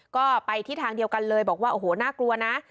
ก็ไปที่ทางเดียวกันเลยบอกว่าโอ้โหน่ากลัวนะ